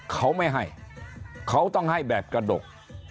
เขาไม่ให้เขาต้องให้แบบกระดก